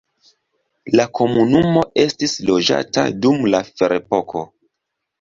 La komunumo estis loĝata dum la ferepoko.